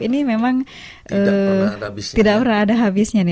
ini memang tidak pernah ada habisnya nih